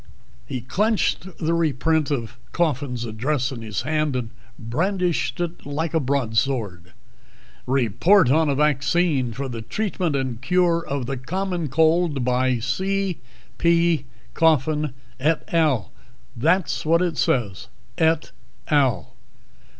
He clenched the reprint of Coffin's address in his hand and brandished it like a broadsword. "'Report on a Vaccine for the Treatment and Cure of the Common Cold,' by C. P. Coffin, et al. That's what it says _et al.